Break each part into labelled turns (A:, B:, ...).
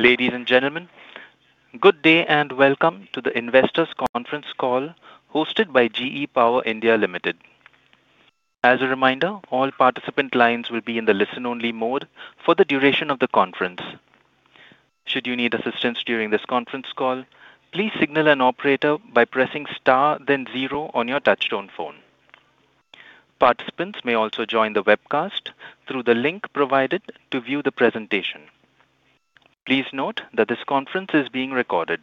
A: Ladies and gentlemen, good day and welcome to the Investors Conference Call hosted by GE Power India Limited. As a reminder, all participant lines will be in the listen-only mode for the duration of the conference. Should you need assistance during this conference call, please signal an operator by pressing star then zero on your touchtone phone. Participants may also join the webcast through the link provided to view the presentation. Please note that this conference is being recorded.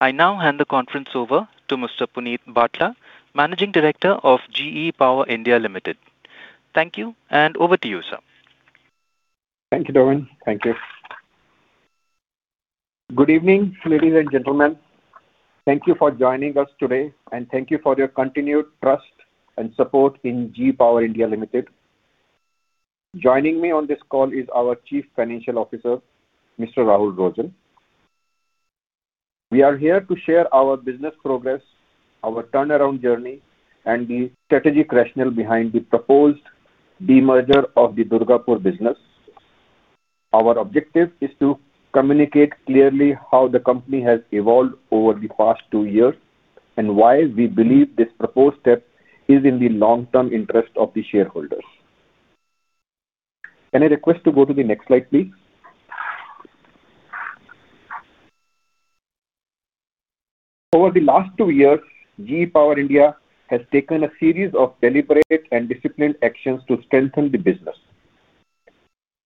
A: I now hand the conference over to Mr. Puneet Bhatla, Managing Director of GE Power India Limited. Thank you, and over to you, sir.
B: Thank you, Darwin. Thank you. Good evening, ladies and gentlemen. Thank you for joining us today, and thank you for your continued trust and support in GE Power India Limited. Joining me on this call is our Chief Financial Officer, Mr. Rahul Rojal. We are here to share our business progress, our turnaround journey, and the strategic rationale behind the proposed demerger of the Durgapur business. Our objective is to communicate clearly how the company has evolved over the past two years, and why we believe this proposed step is in the long-term interest of the shareholders. Can I request to go to the next slide, please? Over the last two years, GE Power India has taken a series of deliberate and disciplined actions to strengthen the business.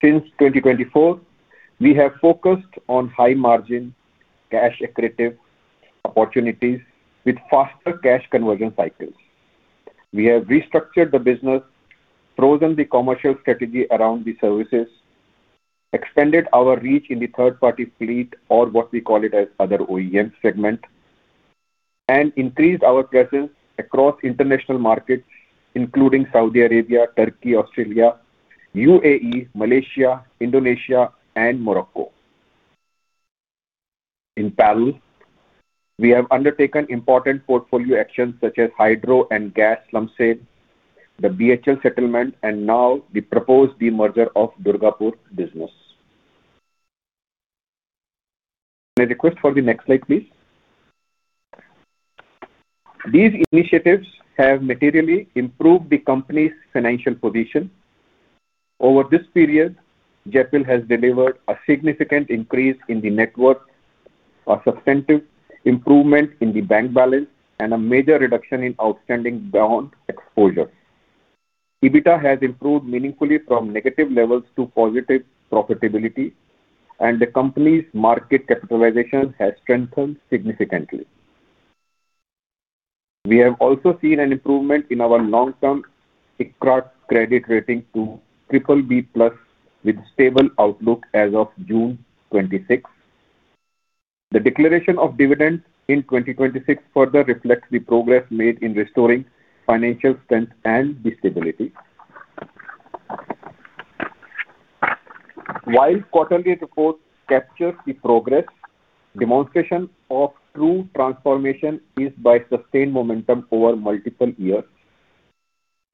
B: Since 2024, we have focused on high margin, cash-accretive opportunities with faster cash conversion cycles. We have restructured the business, frozen the commercial strategy around the services, expanded our reach in the third-party fleet or what we call it as other OEM segment. And increased our presence across international markets including Saudi Arabia, Turkey, Australia, U.A.E., Malaysia, Indonesia, and Morocco. In parallel, we have undertaken important portfolio actions such as hydro and gas slump sale, the BHEL settlement, and now the proposed demerger of Durgapur business. May I request for the next slide, please? These initiatives have materially improved the company's financial position. Over this period, GEPIL has delivered a significant increase in the net worth, a substantive improvement in the bank balance, and a major reduction in outstanding bond exposure. EBITDA has improved meaningfully from negative levels to positive profitability, and the company's market capitalization has strengthened significantly. We have also seen an improvement in our long-term ICRA credit rating to BBB+ with stable outlook as of June 26. The declaration of dividend in 2026 further reflects the progress made in restoring financial strength and stability. While quarterly reports capture the progress, demonstration of true transformation is by sustained momentum over multiple years.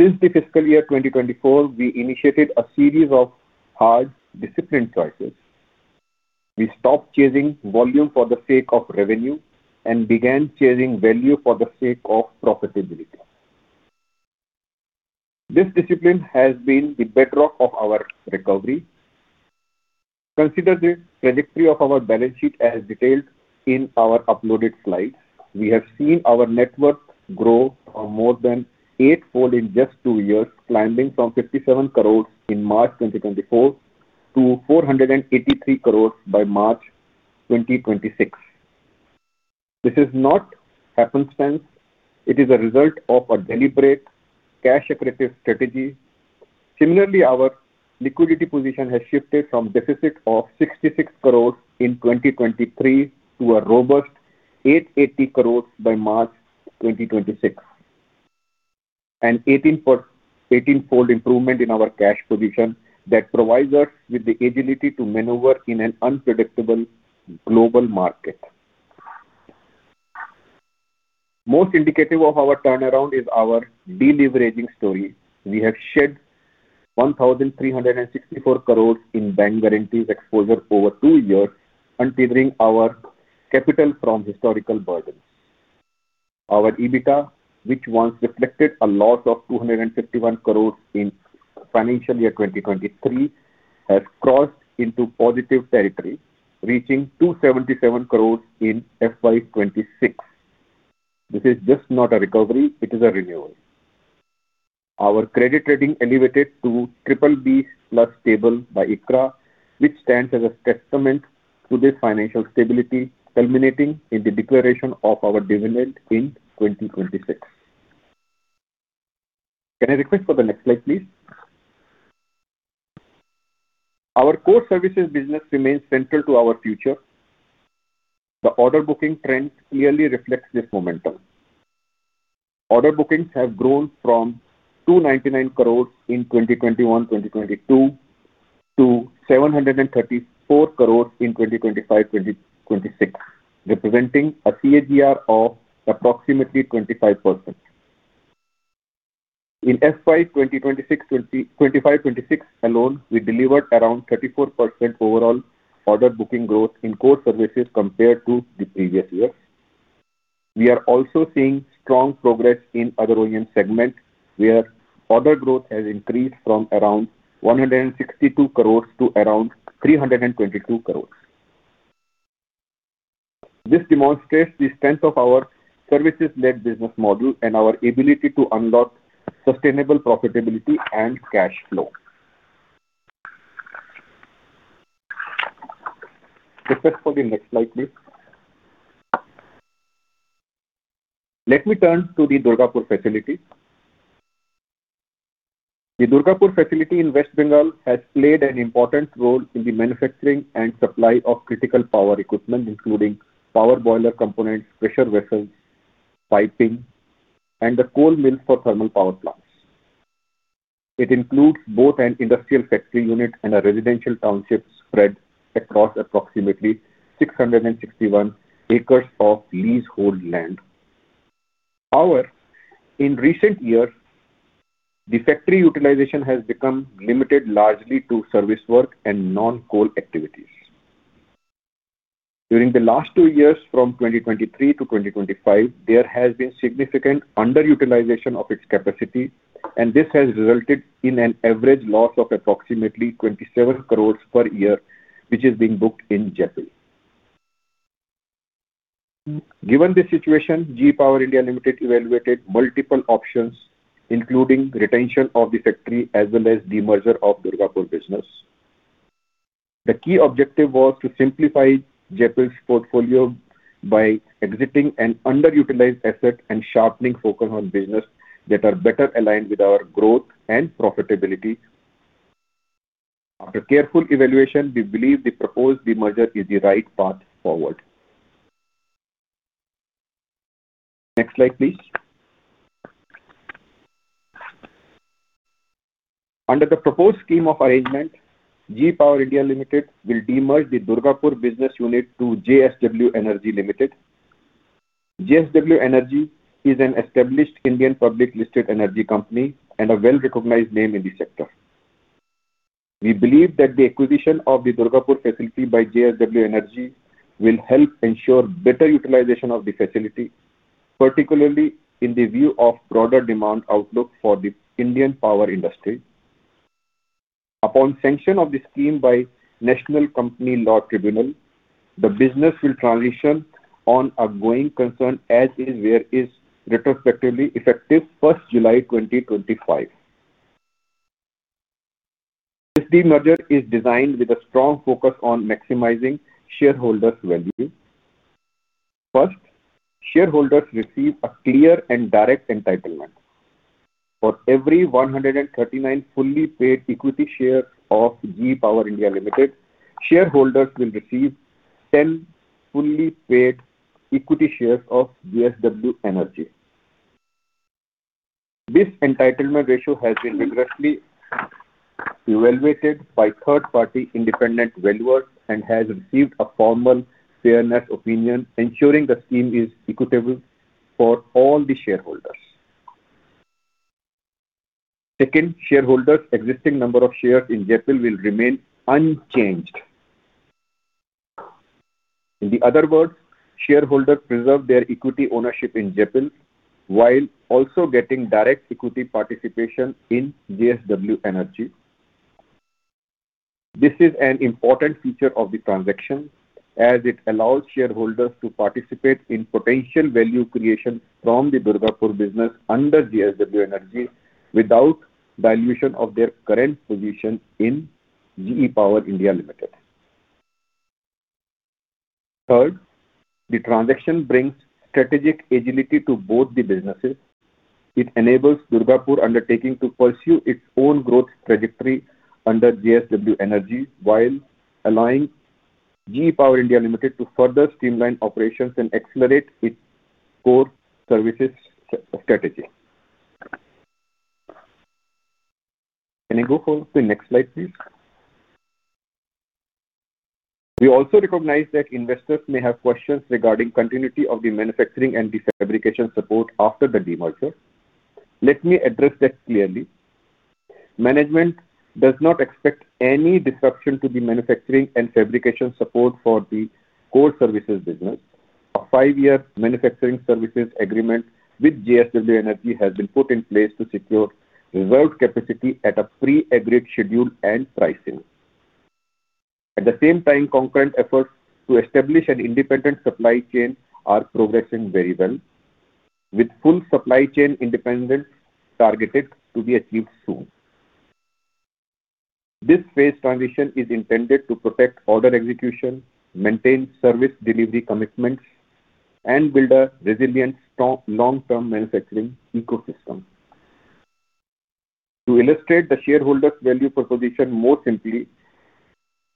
B: Since the fiscal year 2024, we initiated a series of hard discipline choices. We stopped chasing volume for the sake of revenue and began chasing value for the sake of profitability. This discipline has been the bedrock of our recovery. Consider the trajectory of our balance sheet as detailed in our uploaded slides. We have seen our net worth grow more than eightfold in just two years, climbing from 57 crores in March 2024 to 483 crores by March 2026. This has not happened since. It is a result of a deliberate cash-accretive strategy. Similarly, our liquidity position has shifted from deficit of 66 crores in 2023 to a robust 880 crores by March 2026. An 18-fold improvement in our cash position that provides us with the agility to maneuver in an unpredictable global market. Most indicative of our turnaround is our deleveraging story. We have shed 1,364 crores in bank guarantees exposure over two years, untethering our capital from historical burdens. Our EBITDA, which once reflected a loss of 251 crores in financial year 2023, has crossed into positive territory, reaching 277 crores in FY 2026. This is just not a recovery, it is a renewal. Our credit rating elevated to BBB+ stable by ICRA, which stands as a testament to this financial stability, culminating in the declaration of our dividend in 2026. Can I request for the next slide, please? Our core services business remains central to our future. The order booking trend clearly reflects this momentum. Order bookings have grown from 299 crores in 2021-2022 to 734 crores in 2025-2026, representing a CAGR of approximately 25%. In FY 2025-2026 alone, we delivered around 34% overall order booking growth in core services compared to the previous year. We are also seeing strong progress in other OEM segments, where order growth has increased from around 162 crores to around 322 crores. This demonstrates the strength of our services-led business model and our ability to unlock sustainable profitability and cash flow. Request for the next slide, please. Let me turn to the Durgapur facility. The Durgapur facility in West Bengal has played an important role in the manufacturing and supply of critical power equipment, including power boiler components, pressure vessels, piping, and the coal mills for thermal power plants. It includes both an industrial factory unit and a residential township spread across approximately 661 acres of leasehold land. However, in recent years, the factory utilization has become limited largely to service work and non-coal activities. During the last two years, from 2023 to 2025, there has been significant underutilization of its capacity, and this has resulted in an average loss of approximately 27 crores per year, which is being booked in GEPIL. Given the situation, GE Power India Limited evaluated multiple options, including retention of the factory as well as demerger of Durgapur business. The key objective was to simplify GEPIL's portfolio by exiting an underutilized asset and sharpening focus on business that are better aligned with our growth and profitability. After careful evaluation, we believe the proposed demerger is the right path forward. Next slide, please. Under the proposed scheme of arrangement, GE Power India Limited will demerge the Durgapur business unit to JSW Energy Limited. JSW Energy is an established Indian public listed energy company and a well-recognized name in the sector. We believe that the acquisition of the Durgapur facility by JSW Energy will help ensure better utilization of the facility, particularly in the view of broader demand outlook for the Indian power industry. Upon sanction of the scheme by National Company Law Tribunal, the business will transition on a going concern as is where is retrospectively effective 1st July 2025. This demerger is designed with a strong focus on maximizing shareholders' value. First, shareholders receive a clear and direct entitlement. For every 139 fully paid equity share of GE Power India Limited, shareholders will receive 10 fully paid equity shares of JSW Energy. This entitlement ratio has been rigorously evaluated by third-party independent valuers and has received a formal fairness opinion, ensuring the scheme is equitable for all the shareholders. Second, shareholders' existing number of shares in GEPIL will remain unchanged. In the other words, shareholders preserve their equity ownership in GEPIL while also getting direct equity participation in JSW Energy. This is an important feature of the transaction as it allows shareholders to participate in potential value creation from the Durgapur business under JSW Energy without dilution of their current position in GE Power India Limited. Third, the transaction brings strategic agility to both the businesses. It enables Durgapur undertaking to pursue its own growth trajectory under JSW Energy while allowing GE Power India Limited to further streamline operations and accelerate its core services strategy. Can you go for the next slide, please? We also recognize that investors may have questions regarding continuity of the manufacturing and the fabrication support after the demerger. Let me address that clearly. Management does not expect any disruption to the manufacturing and fabrication support for the core services business. A five-year manufacturing services agreement with JSW Energy has been put in place to secure reserved capacity at a pre-agreed schedule and pricing. At the same time, concurrent efforts to establish an independent supply chain are progressing very well, with full supply chain independence targeted to be achieved soon. This phase transition is intended to protect order execution, maintain service delivery commitments, and build a resilient long-term manufacturing ecosystem. To illustrate the shareholders' value proposition more simply,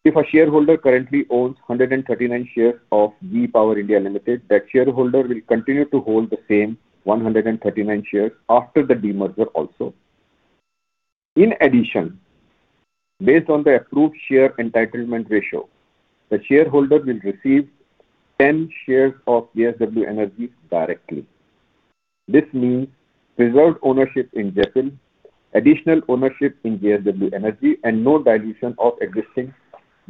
B: if a shareholder currently owns 139 shares of GE Power India Limited, that shareholder will continue to hold the same 139 shares after the demerger also. In addition, based on the approved share entitlement ratio, the shareholder will receive 10 shares of JSW Energy directly. This means reserved ownership in GEPIL, additional ownership in JSW Energy, and no dilution of existing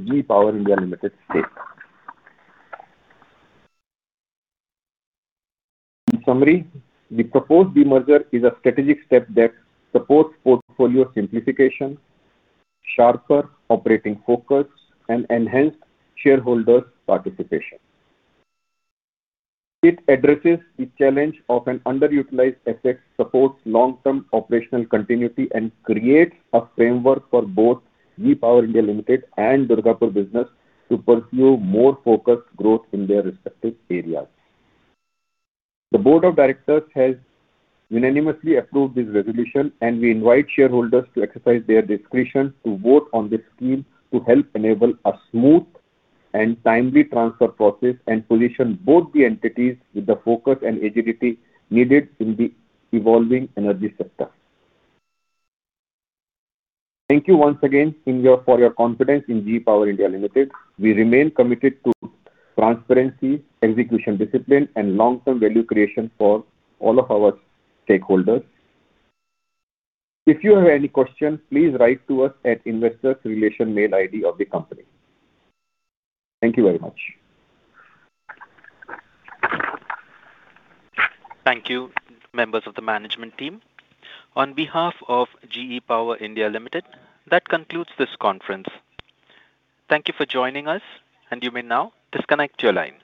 B: GE Power India Limited stake. In summary, the proposed demerger is a strategic step that supports portfolio simplification, sharper operating focus, and enhanced shareholder participation. It addresses the challenge of an underutilized asset, supports long-term operational continuity, and creates a framework for both GE Power India Limited and Durgapur business to pursue more focused growth in their respective areas. The Board of Directors has unanimously approved this resolution, and we invite shareholders to exercise their discretion to vote on this scheme to help enable a smooth and timely transfer process and position both the entities with the focus and agility needed in the evolving energy sector. Thank you once again for your confidence in GE Power India Limited. We remain committed to transparency, execution discipline, and long-term value creation for all of our stakeholders. If you have any questions, please write to us at investors relation mail ID of the company. Thank you very much.
A: Thank you, members of the management team. On behalf of GE Power India Limited, that concludes this conference. Thank you for joining us, and you may now disconnect your lines.